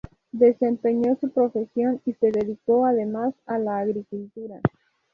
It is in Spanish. Desempeñó su profesión y se dedicó además a la agricultura.